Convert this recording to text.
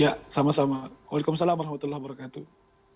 ya sama sama waalaikumsalam warahmatullahi wabarakatuh